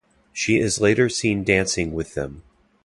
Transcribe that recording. She is later seen dancing with them.